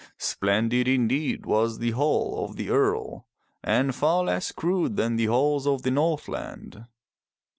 Splendid indeed was the hall of the Earl, and far less crude 347 MY BOOK HOUSE than the halls of the Northland.